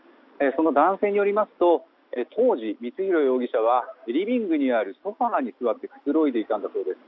その男性によりますと当時、光弘容疑者はリビングにあるソファに座ってくつろいでいたんだそうです。